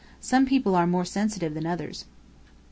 "Some people are more sensitive than others."